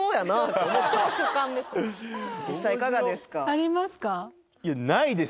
ありますか？